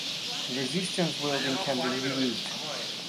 Resistance welding can be used.